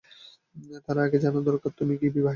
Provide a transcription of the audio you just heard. তার আগে জানা দরকার তুমি কি বিবাহিত?